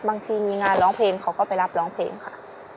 บางทีมีงานร้องเพลงเขาก็ไปรับร้องเพลงค่ะ